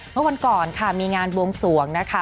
เมื่อวันก่อนค่ะมีงานบวงสวงนะคะ